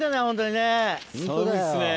寒いっすね。